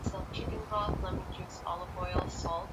Mnyama kupumulia mdomo ni dalili nyingine ya ugonjwa wa pumu